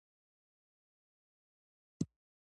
د عضلاتو د روغتیا لپاره باید څه شی وخورم؟